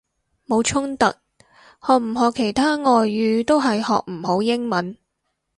冇衝突，學唔學其他外語都係學唔好英文！